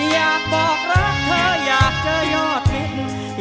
อยากบอกรักเธออยากเจอยอดฟิต